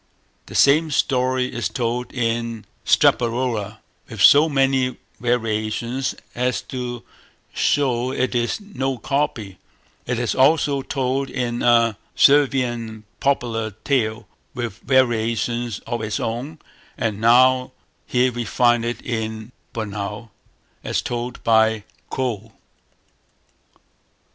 The same story is told in Straparola with so many variations as to show it is no copy; it is also told in a Servian popular tale, with variations of its own; and now here we find it in Bornou, as told by Kölle.